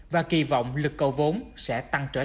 và kỳ vọng lực cầu vốn sẽ tăng trở lại